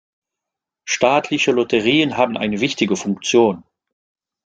Staatliche Lotterien haben eine wichtige Funktion.